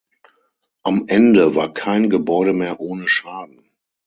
Am Ende war kein Gebäude mehr ohne Schaden.